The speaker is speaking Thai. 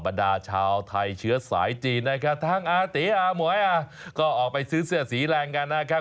แน่นอน